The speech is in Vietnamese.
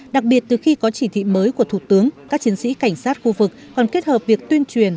đặc biệt từ khi có chỉ thị mới của thủ tướng các chiến sĩ cảnh sát khu vực còn kết hợp việc tuyên truyền